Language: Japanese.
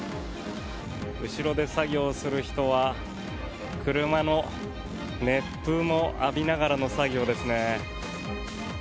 後ろで作業をする人は車の熱風も浴びながらの作業ですね。